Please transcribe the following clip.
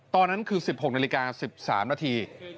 ตอนนั้นคือ๑๖นาฬิกา๑๓นาที